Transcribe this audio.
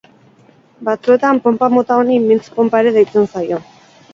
Batzuetan, ponpa mota honi, mintz ponpa ere deitzen zaio.